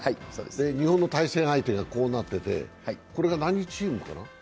日本の対戦相手がこうなってて、これが何チームかな？